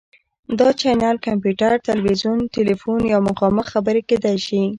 دا چینل کمپیوټر، تلویزیون، تیلیفون یا مخامخ خبرې کیدی شي.